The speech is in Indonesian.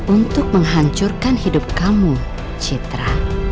untuk menghancurkan hidup kamu citra